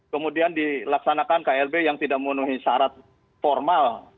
kemudian dilaksanakan klb yang tidak memenuhi syarat formal